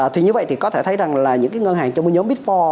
thì như vậy thì có thể thấy rằng là những ngân hàng trong một nhóm big four